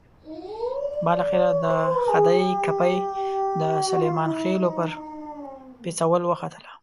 بالاخره د خدۍ کپۍ د سلیمان خېلو پر پېڅول وختله.